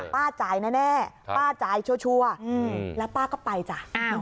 ป้าจ่ายแน่ป้าจ่ายชัวร์แล้วป้าก็ไปจ้ะ